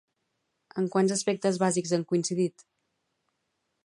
En quants aspectes bàsics han coincidit?